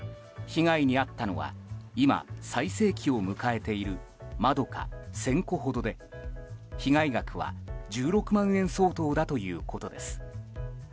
被害に遭ったのは今、最盛期を迎えているまどか１０００個ほどで被害額は１６万円相当だということです。